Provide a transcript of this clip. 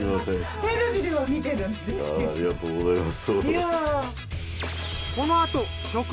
ありがとうございます。